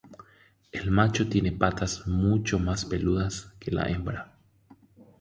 El macho tiene patas mucho más peludas que la hembra.